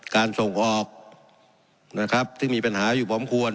การส่งออกนะครับที่มีปัญหาอยู่พร้อมควร